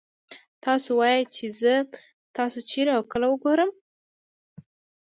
تاسو ووايئ چې زه تاسو چېرې او کله وګورم.